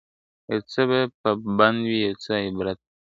یو څه به پند وي یو څه عبرت دی `